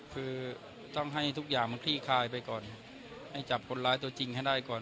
คือต้องให้ทุกอย่างมันคลี่คลายไปก่อนให้จับคนร้ายตัวจริงให้ได้ก่อน